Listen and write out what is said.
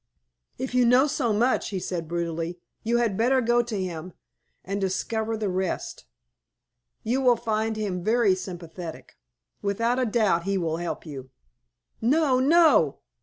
"If you know so much," he said, brutally, "you had better go to him and discover the rest. You will find him very sympathetic. Without a doubt he will help you!" "No! No!"